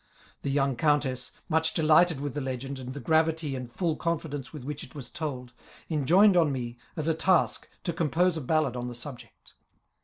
The young Countess, much de lighted with the legend, and the gravity and full confi dence with which it was told, enjoined on me as a task to compose a ballad on the subject.